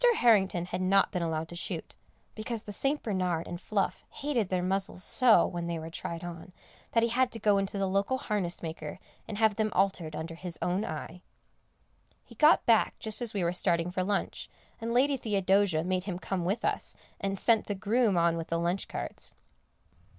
Harrington had not been allowed to shoot, because the St. Bernard and Fluff hated their muzzles so, when they were tried on, that he had to go in to the local harness maker and have them altered under his own eye. He got back just as we were starting for lunch, and Lady Theodosia made him come with us, and sent the groom on with the lunch carts.